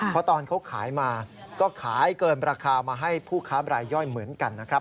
เพราะตอนเขาขายมาก็ขายเกินราคามาให้ผู้ค้าบรายย่อยเหมือนกันนะครับ